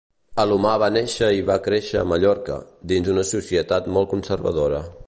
Alomar va néixer i va créixer a Mallorca, dins una societat molt conservadora.